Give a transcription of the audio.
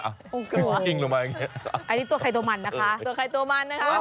กลัวอ่ะอันนี้ตัวไขโตมันนะคะ